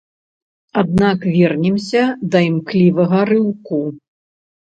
Аднак вернемся да імклівага рыўку.